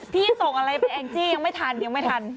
ส่งอะไรไปแองจี้ยังไม่ทันยังไม่ทัน